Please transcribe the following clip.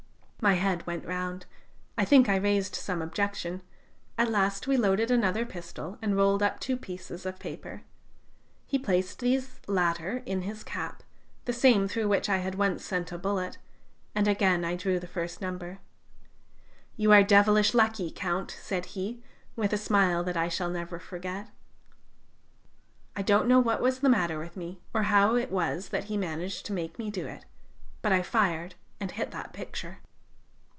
"My head went round. ... I think I raised some objection. ... At last we loaded another pistol, and rolled up two pieces of paper. He placed these latter in his cap the same through which I had once sent a bullet and again I drew the first number. "'You are devilish lucky, Count,' said he, with a smile that I shall never forget. "I don't know what was the matter with me, or how it was that he managed to make me do it ... but I fired and hit that picture."